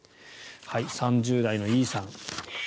３０代のＥさん。